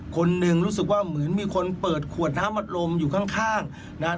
คนหนึ่งรู้สึกว่าเหมือนมีคนเปิดขวดน้ำอัดลมอยู่ข้างนะฮะ